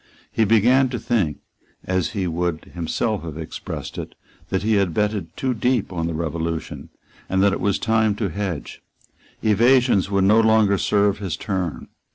He began to think, as he would himself have expressed it, that he had betted too deep on the Revolution, and that it was time to hedge. Evasions would no longer serve his turn.